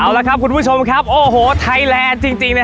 เอาละครับคุณผู้ชมครับโอ้โหไทยแลนด์จริง